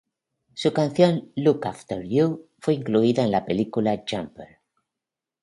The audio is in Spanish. Su canción "Look after you" fue incluida en la película Jumper.